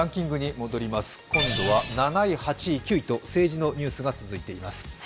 今度は７位、８位、９位と政治のニュースが続いています。